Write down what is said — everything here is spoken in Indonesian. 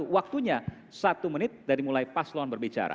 waktunya satu menit dari mulai paslon berbicara